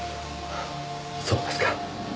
そうですか。